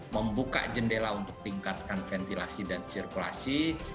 membuka jendela untuk tingkatkan ventilasi dan sirkulasi